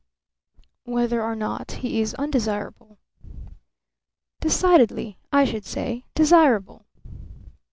"Whether or not he is undesirable." "Decidedly, I should say, desirable."